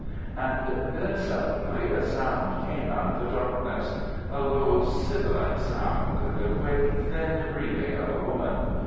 And then suddenly a sound came out of the darkness—a low, sibilant sound, the quick, thin breathing of a woman.